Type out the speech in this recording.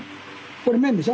これ面でしょ？